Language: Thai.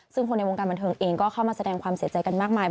ซึ่งคนในวงการบันเทิงเองก็เข้ามาแสดงความเสียใจกันมากมาย